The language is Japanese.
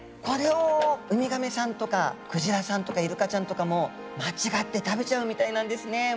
これをウミガメさんとかクジラさんとかイルカちゃんとかも間違って食べちゃうみたいなんですね。